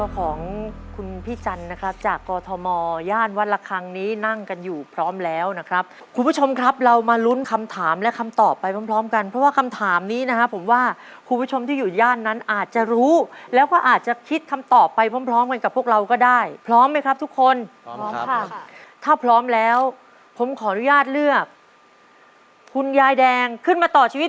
คุณยายแดงขึ้นมาต่อชีวิตเป็นคนแรกครับ